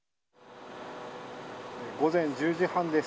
午前１０時半です。